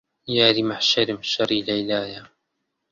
یاری مەحشەرم شەڕی لەیلایە